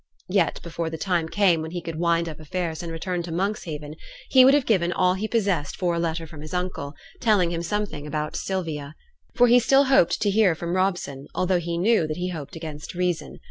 Yet before the time came when he could wind up affairs and return to Monkshaven, he would have given all he possessed for a letter from his uncle, telling him something about Sylvia. For he still hoped to hear from Robson, although he knew that he hoped against reason.